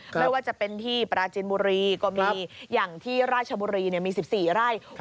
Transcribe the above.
ไม่ว่าจะเป็นที่ปราจินบุรีก็มีอย่างที่ราชบุรีมี๑๔ไร่